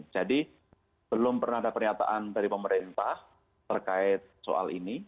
jadi belum pernah ada pernyataan dari pemerintah terkait soal ini